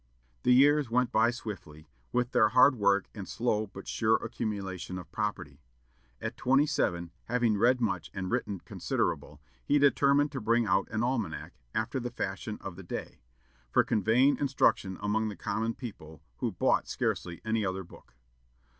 The years went by swiftly, with their hard work and slow but sure accumulation of property. At twenty seven, having read much and written considerable, he determined to bring out an almanac, after the fashion of the day, "for conveying instruction among the common people, who bought scarcely any other book."